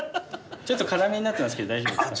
ちょっと辛めになってますけど大丈夫ですか？